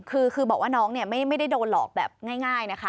คือบอกว่าน้องเนี่ยไม่ได้โดนหลอกแบบง่ายนะคะ